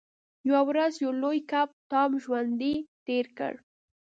یوه ورځ یو لوی کب ټام ژوندی تیر کړ.